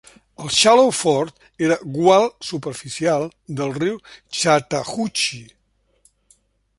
El Shallow Ford era gual superficial del riu Chattahoochee.